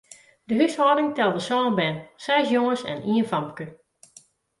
De húshâlding telde sân bern, seis jonges en ien famke.